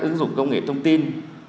ứng dụng công nghệ thông tin